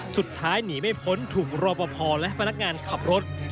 สุดท้ายหนีไม่พ้นถูกรอปภและพนักงานขับรถ